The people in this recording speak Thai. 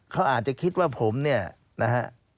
เขาอาจจะคิดว่าผมเนี่ยนะฮะ